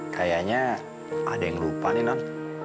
kayaknya ada yang lupa nih non